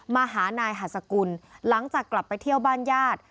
มาหานายหัสกุลหลังจากกลับไปเที่ยวบ้านญาติ